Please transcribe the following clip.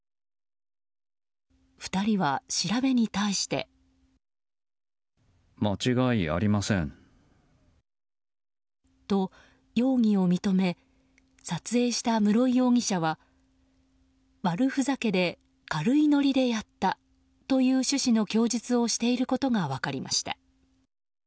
２人は調べに対して。と、容疑を認め撮影した室井容疑者は悪ふざけで軽いノリでやったという趣旨の供述をしていることが分かりました。